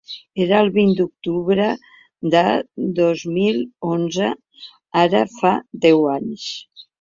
Era el vint d’octubre de dos mil onze, ara fa deu anys.